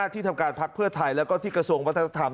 ที่ทำการพักเพื่อไทยแล้วก็ที่กระทรวงวัฒนธรรม